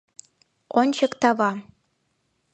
Ончык тава.